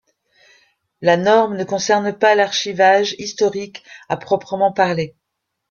La norme ne concerne pas l’archivage historique à proprement parler.